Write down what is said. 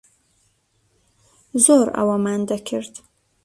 زۆر ئەوەمان دەکرد.